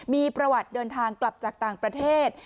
มีประวัติเดินทางกลับจากต่างประเทศ